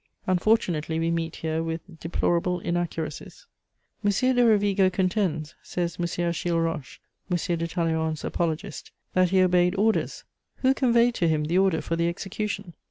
Unfortunately, we meet here with deplorable inaccuracies: "M. de Rovigo contends," says M. Achille Roche, M. de Talleyrand's apologist, "that he obeyed orders! Who conveyed to him the order for the execution?